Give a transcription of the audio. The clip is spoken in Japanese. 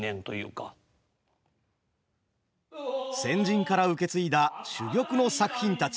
先人から受け継いだ珠玉の作品たち。